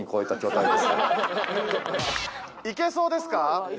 いけそうですか？